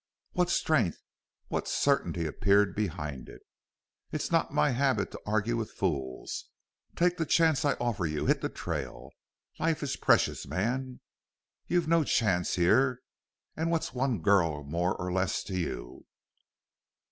What strength what certainty appeared behind it! "It's not my habit to argue with fools. Take the chance I offer you. Hit the trail. Life is precious, man!... You've no chance here. And what's one girl more or less to you?"